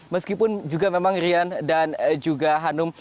meskipun juga memang rian dan juga hanum